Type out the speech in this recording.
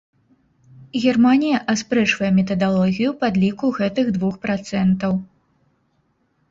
Германія аспрэчвае метадалогію падліку гэтых двух працэнтаў.